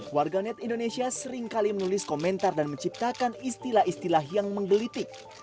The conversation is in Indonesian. warga net indonesia seringkali menulis komentar dan menciptakan istilah istilah yang menggelitik